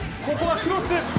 ここはクロス。